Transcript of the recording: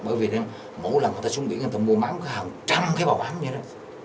bởi vì mỗi lần người ta xuống biển người ta mua mắm có hàng trăm cái bào mắm vậy đó